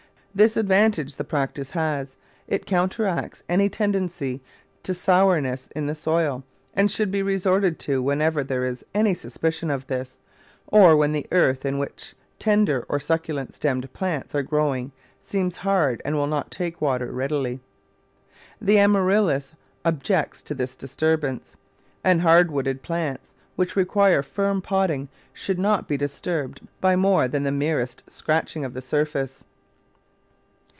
This advantage the practice has: it counteracts any tendency to sourness in the Digitized by Google 212 The Flower Garden [Chapter soil, and should be resorted to whenever there is any suspicion of this, or when the earth in which tender or succulent stemmed plants are growing seems hard and will not take water readily. The Amaryllis objects to this disturbance, and hard wooded plants, which require firm potting, should not be disturbed by more than the merest scratching of the surface.